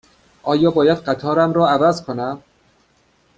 آیا باید قطارم را عوض کنم؟